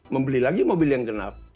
membeli lagi mobil yang gelap